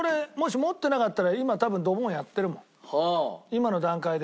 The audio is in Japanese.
今の段階で。